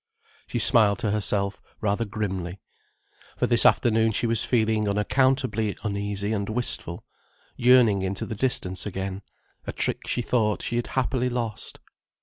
She smiled to herself rather grimly. For this afternoon she was feeling unaccountably uneasy and wistful, yearning into the distance again: a trick she thought she had happily lost.